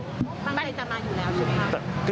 ความรักที่จะมาอยู่แล้วใช่ไหมครับ